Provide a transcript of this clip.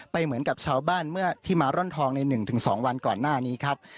เหมือนกับชาวบ้านเมื่อที่มาร่อนทองใน๑๒วันก่อนหน้านี้ครับ